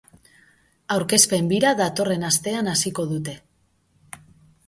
Aurkezpen bira datorren astean hasiko dute.